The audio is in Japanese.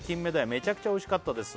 「めちゃくちゃ美味しかったです